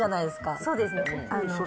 そうですね。